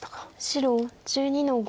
白１２の五。